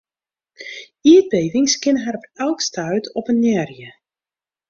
Ierdbevings kinne har op elk stuit oppenearje.